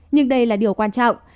nhưng đây là điều quan trọng